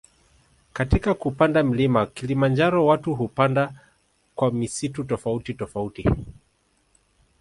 Katika kupanda mlima kilimanjaro watu hupanda kwa misimu tofauti tofauti